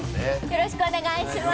よろしくお願いします。